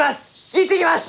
行ってきます！